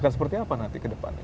seperti apa nanti ke depannya